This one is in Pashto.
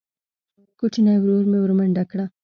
کوچیني ورور مې ورمنډه کړه.